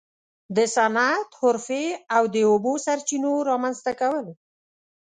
د صنعت، حرفې او د اوبو سرچینو رامنځته کول.